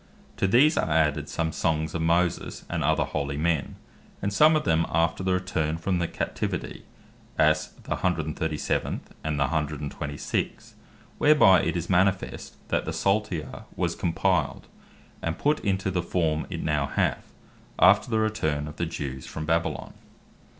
To these are added some songs of Moses, and other holy men; and some of them after the return from the Captivity; as the 137. and the 126. whereby it is manifest that the Psalter was compiled, and put into the form it now hath, after the return of the Jews from Babylon.